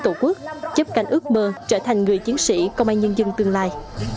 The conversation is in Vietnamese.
tổ quốc chấp cảnh ước mơ trở thành người chiến sĩ công an nhân dân tương lai